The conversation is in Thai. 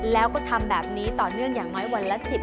แล้วก็ทำแบบนี้ต่อเนื่องอย่างไม้วันแล้ว